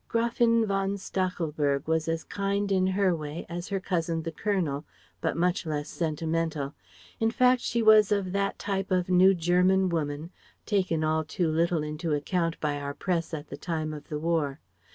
Gräfin von Stachelberg was as kind in her way as her cousin the Colonel, but much less sentimental. In fact she was of that type of New German woman, taken all too little into account by our Press at the time of the War.